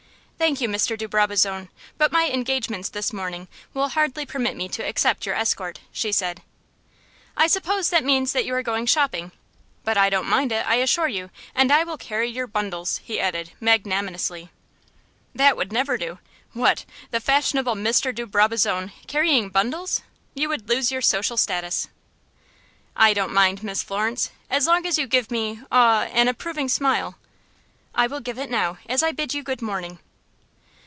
"Thank you, Mr. de Brabazon, but my engagements this morning will hardly permit me to accept your escort," she said. "I suppose that means that you are going shopping; but I don't mind it, I assure you, and I will carry your bundles," he added, magnanimously. "That would never do. What! the fashionable Mr. de Brabazon carrying bundles? You would lose your social status." "I don't mind, Miss Florence, as long as you give me aw an approving smile." "I will give it now, as I bid you good morning."